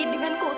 dengan ku taufan